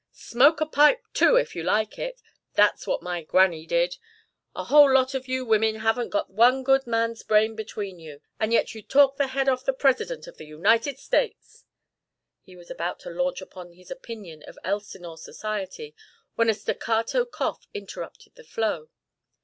Smoke a pipe too, if you like it. That's what my granny did. The whole lot of you women haven't got one good man's brain between you, and yet you'd talk the head off the President of the United States " He was about to launch upon his opinion of Elsinore society when a staccato cough interrupted the flow.